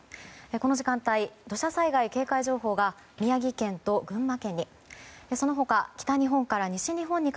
この時間帯、土砂災害警戒情報が宮城県と群馬県に。